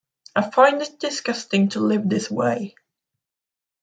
I find it disgusting to live this way.